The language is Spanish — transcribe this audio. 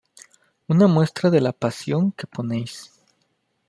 una muestra de la pasión que ponéis